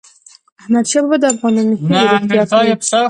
احمدشاه بابا د افغانانو هیلې رښتیا کړی.